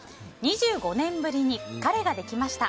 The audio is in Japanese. ２５年ぶりに彼ができました。